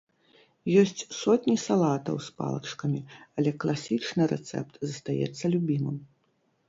Ёсць сотні салатаў з палачкамі, але класічны рэцэпт застаецца любімым.